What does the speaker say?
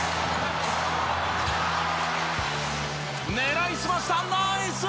狙い澄ましたナイスアシスト！